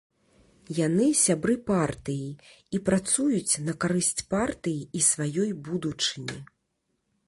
Яны сябры партыі і працуюць на карысць партыі і сваёй будучыні.